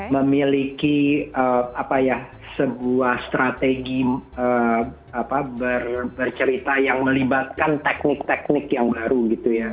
memiliki sebuah strategi bercerita yang melibatkan teknik teknik yang baru gitu ya